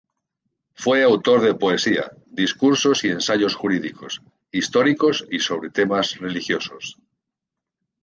Fue autor de poesía, discursos y ensayos jurídicos, históricos y sobre temas religiosos.